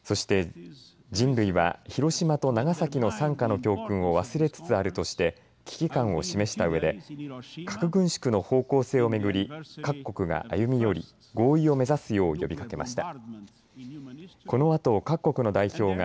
そして、人類は広島と長崎の惨禍の教訓を忘れつつあるとして危機感を示したうえで核軍縮の方向性も巡り各国が歩み寄り合意を目指すよう呼びかけました。